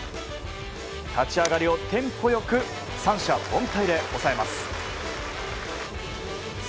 立ち上がりをテンポ良く三者凡退で押さえます。